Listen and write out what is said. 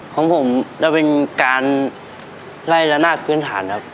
ของผมจะเป็นการไล่ละนาดพื้นฐานครับ